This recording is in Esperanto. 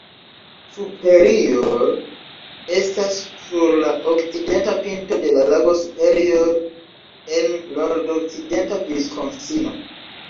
Superior estas sur la okcidenta pinto de la lago Superior en nordokcidenta Viskonsino.